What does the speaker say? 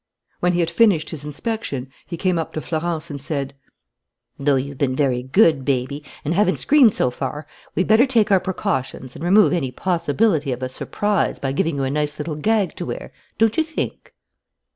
When he had finished his inspection, he came up to Florence and said: "Though you've been very good, baby, and haven't screamed so far, we'd better take our precautions and remove any possibility of a surprise by giving you a nice little gag to wear, don't you think?"